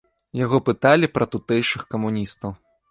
Яго пыталі пра тутэйшых камуністаў.